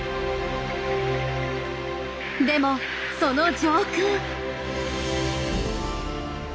でもその上空。